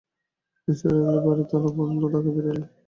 নিসার আলি বাড়ি তালাবন্ধ করে ঢাকা ফিরে এলেন।